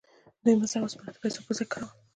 دوی مس او اوسپنه د پیسو پر ځای کارول.